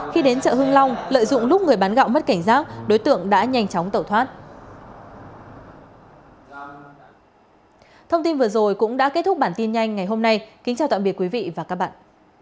khi đến chợ hưng long lợi dụng lúc người bán gạo mất cảnh giác đối tượng đã nhanh chóng tẩu thoát